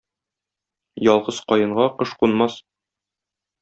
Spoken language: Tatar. Ялгыз каенга кош кунмас.